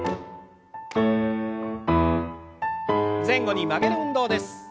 前後に曲げる運動です。